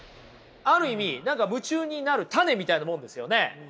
ある意味何か夢中になる種みたいなもんですよね？